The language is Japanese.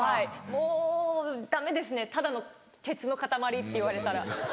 もうダメですね「ただの鉄の塊」って言われたら。